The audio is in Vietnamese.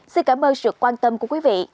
xin cảm ơn sự quan tâm của quý vị